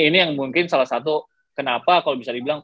ini yang mungkin salah satu kenapa kalau bisa dibilang